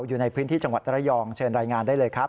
อยู่ในพื้นที่จังหวัดระยองเชิญรายงานได้เลยครับ